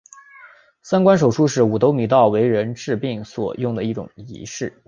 三官手书是五斗米道为人治病时所用的一种仪式。